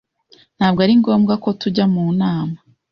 Ntabwo ari ngombwa ko tujya mu nama.